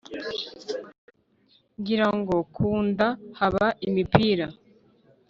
ngira ngo ku nda haba imipira!